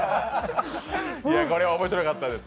いや、これは面白かったです。